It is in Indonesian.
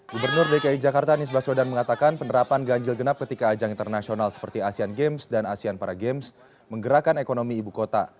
gubernur dki jakarta anies baswedan mengatakan penerapan ganjil genap ketika ajang internasional seperti asean games dan asean para games menggerakkan ekonomi ibu kota